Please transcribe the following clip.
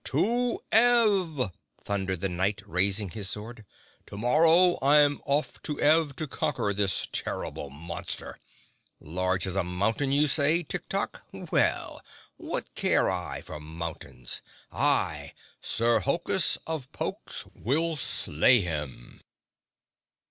"To Ev!" thundered the Knight, raising his sword. "To morrow I'm off to Ev to conquer this terrible monster. Large as a mountain, you say, Tik Tok? Well, what care I for mountains? I, Sir Hokus of Pokes, will slay him!"